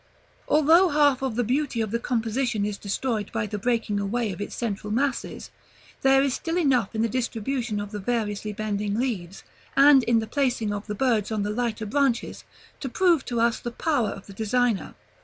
Although half of the beauty of the composition is destroyed by the breaking away of its central masses, there is still enough in the distribution of the variously bending leaves, and in the placing of the birds on the lighter branches, to prove to us the power of the designer.